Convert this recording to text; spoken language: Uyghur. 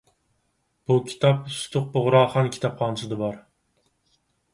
بۇ كىتاب سۇتۇق بۇغراخان كىتابخانىسىدا بار.